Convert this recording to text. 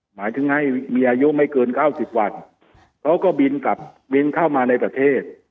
หมายถึงให้มีอายุไม่เกินเก้าสิบวันเขาก็บินกลับบินเข้ามาในประเทศ